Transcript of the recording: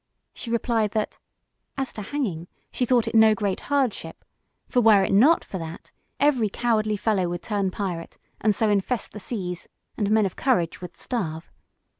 She replied, that, "As to hanging, she thought it no great hardship, for were it not for that, every cowardly fellow would turn pirate, and so infest the seas; and men of courage would starve.